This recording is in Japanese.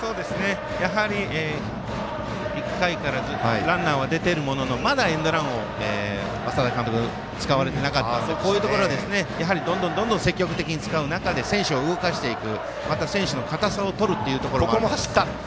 やはり、１回からランナーは出ているもののまだ、エンドランを稙田監督は使われてなかったのでこういうところで、どんどん積極的に使う仲田選手を動かしていく。